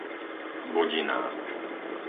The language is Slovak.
Bodiná